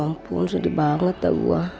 ya ampun sedih banget dah gue